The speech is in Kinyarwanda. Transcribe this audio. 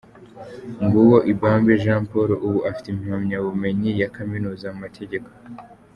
Nguwo Ibambe Jean Paul, ubu afite impamyabumenyi ya Kaminuza mu mategeko.